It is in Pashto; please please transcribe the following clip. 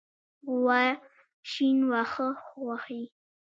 غوا شین واښه خوښوي.